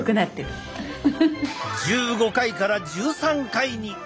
１５回から１３回に！